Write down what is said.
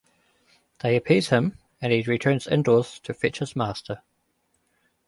They appease him and he returns indoors to fetch his master.